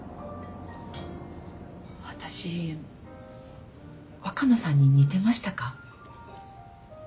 私若菜さんに似てましたか？